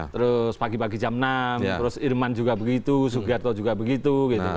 terus pagi pagi jam enam terus irman juga begitu sugiarto juga begitu